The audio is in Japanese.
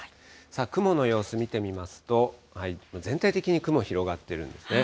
さあ雲の様子、見てみますと、全体的に雲、広がってるんですね。